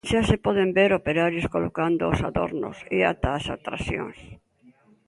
Xa se poden ver operarios colocando os adornos e ata as atraccións.